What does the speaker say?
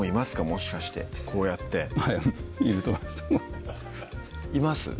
もしかしてこうやってはいいると思いますいます？